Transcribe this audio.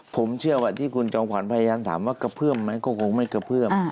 ผมเชื่อว่าที่คุณจอมขวัญพยายามถามว่ากระเพื่อมไหมก็คงไม่กระเพื่อม